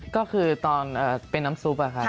ก็คือตอนเป็นน้ำซุปอะครับ